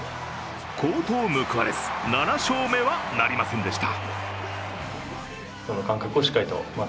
好投報われず７勝目はなりませんでした。